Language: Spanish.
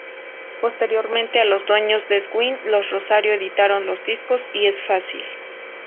Posteriormente a Los Dueños del Swing, Los Rosario editaron los discos Y es Fácil!